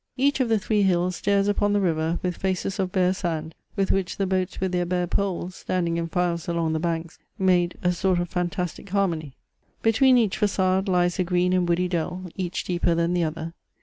Each of the three hills stares upon the river, with faces of bare sand, with which the boats with their bare poles, standing in files along the banks, made a sort of fantastic harmony. Between each facade lies a green and woody dell, each deeper than the other.